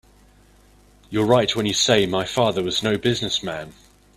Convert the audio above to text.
You're right when you say my father was no business man.